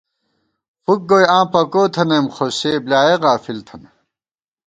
فُک گوئی آں پکو تھنَئیم خوسے بۡلیایَہ غافل تھنہ